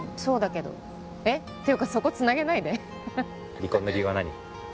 離婚の理由は何？